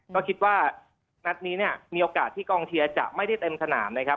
ก็คิดว่านัดนี้เนี่ยมีโอกาสที่กองเชียร์จะไม่ได้เต็มสนามนะครับ